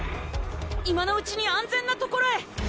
今のうちに安全な所へ！